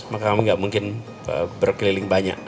maka kami enggak mungkin berkeliling banyak